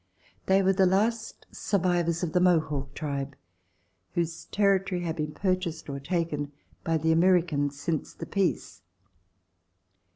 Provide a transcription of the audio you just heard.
They were the last survivors of the Mohawk tribe whose territory had been purchased or taken by the Americans since the peace.